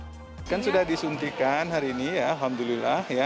vaksin sudah disuntikan hari ini ya alhamdulillah